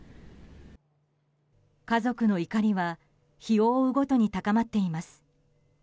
家族の怒りは、日を追うごとに高まっています。